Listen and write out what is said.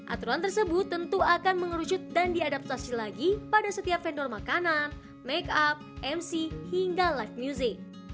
aturan tersebut tentu akan mengerucut dan diadaptasi lagi pada setiap vendor makanan make up mc hingga live music